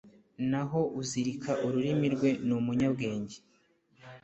naho uzirika ururimi rwe ni umunyabwenge